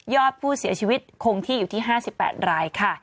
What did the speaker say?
อดผู้เสียชีวิตคงที่อยู่ที่๕๘รายค่ะ